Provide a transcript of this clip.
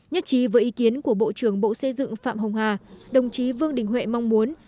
nhất trí với ý kiến của bộ trưởng bộ xây dựng phạm hồng hà đồng chí vương đình huệ mong muốn